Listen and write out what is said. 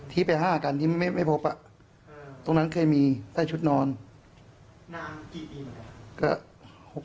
ทีไปห้ากันยังไม่พบ